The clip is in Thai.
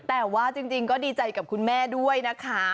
แต่ว่าจริงก็ดีใจกับคุณแม่ด้วยนะคะ